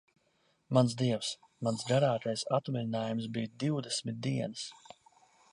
Mans Dievs, mans garākais atvaļinājums bija divdesmit dienas.